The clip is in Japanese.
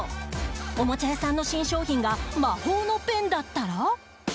おもちゃ屋さんの新商品が魔法のペンだったら。